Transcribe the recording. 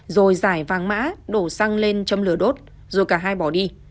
rồi giải vàng mã đổ xăng lên châm lửa đốt rồi cả hai bỏ đi